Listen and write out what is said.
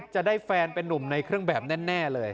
จะได้แฟนเป็นนุ่มในเครื่องแบบแน่เลย